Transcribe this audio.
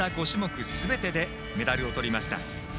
５種目すべてでメダルをとりました。